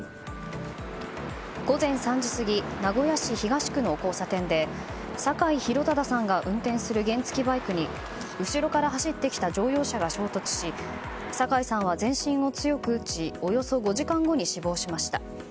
午前３時過ぎ名古屋市東区の交差点で酒井洋忠さんが運転する原付きバイクに後ろから走ってきた乗用車が衝突し酒井さんは全身を強く打ちおよそ５時間後に死亡しました。